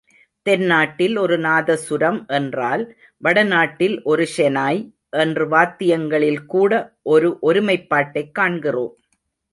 தென்னாட்டில் ஒரு நாதசுரம் என்றால் வடநாட்டில் ஒரு ஷெனாய் என்று வாத்தியங்களில் கூட ஒரு ஒருமைப்பாட்டைக் காண்கிறோம்.